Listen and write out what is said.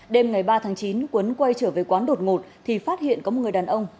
đêm ngày ba tháng chín quấn quay trở về quán đột ngột thì phát hiện có một người đàn ông